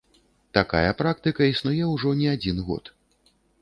Такая практыка існуе ўжо не адзін год.